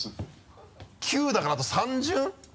９だからあと３巡。